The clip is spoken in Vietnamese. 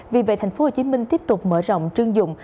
vì vậy tp hcm tiếp tục mở rộng chuyên dụng